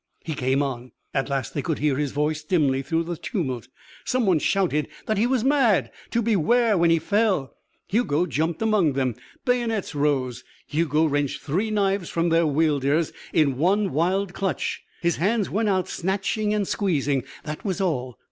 He came on. At last they could hear his voice dimly through the tumult. Someone shouted that he was mad to beware when he fell. Hugo jumped among them. Bayonets rose. Hugo wrenched three knives from their wielders in one wild clutch. His hands went out, snatching and squeezing. That was all.